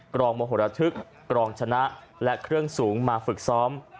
รองมโหระทึกกรองชนะและเครื่องสูงมาฝึกซ้อม